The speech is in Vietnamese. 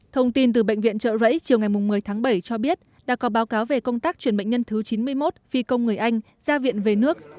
thông tin từ bệnh viện trợ rẫy chiều ngày một mươi tháng bảy cho biết đã có báo cáo về công tác chuyển bệnh nhân thứ chín mươi một phi công người anh ra viện về nước